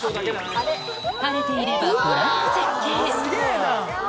晴れていればご覧の絶景。